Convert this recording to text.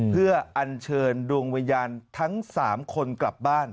เพื่ออัญเชิญดวงวิญญาณทั้ง๓คนกลับบ้าน